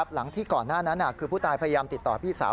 หลังที่ก่อนหน้านั้นคือผู้ตายพยายามติดต่อพี่สาว